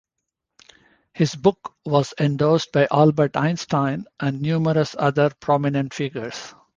His book was endorsed by Albert Einstein and numerous other prominent figures.